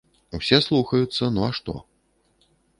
Усе слухаюцца, ну а што.